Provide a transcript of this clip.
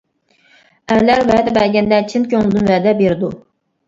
ئەرلەر ۋەدە بەرگەندە چىن كۆڭلىدىن ۋەدە بېرىدۇ.